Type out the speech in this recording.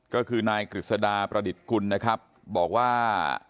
ก็คือนายกฤษดาประดิษฐ์กุลนะครับบอกว่า